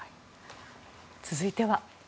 続いては。